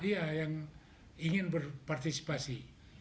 iya yang ingin berpartisipasi